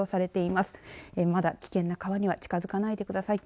まだ危険な川には近づかないでください。